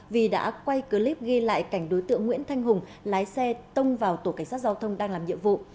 vì đã quay clip ghi lại cảnh đối tượng nguyễn thanh hùng lái xe tông vào tổ cảnh sát giao thông đang làm nhiệm vụ